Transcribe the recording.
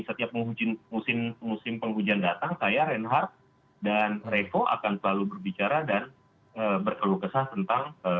setiap musim penghujan datang saya reinhardt dan revo akan selalu berbicara dan berkerugasan tentang dampak